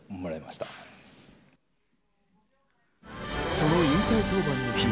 その引退登板の日。